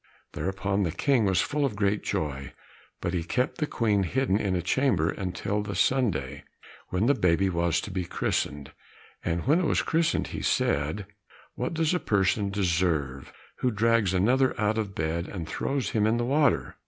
Thereupon the King was full of great joy, but he kept the Queen hidden in a chamber until the Sunday, when the baby was to be christened. And when it was christened he said, "What does a person deserve who drags another out of bed and throws him in the water?"